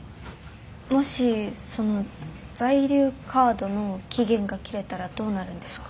もしその在留カードの期限が切れたらどうなるんですか？